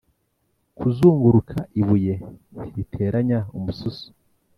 kuzunguruka ibuye ntiriteranya umususu -